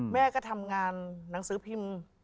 แม่ก็ทำงานหนังสือพิมพ์